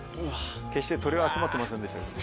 決して鶏は集まってませんでしたけど。